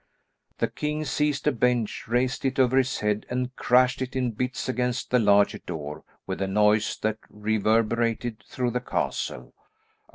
The king seized a bench, raised it over his head and crashed it in bits against the larger door with a noise that reverberated through the castle.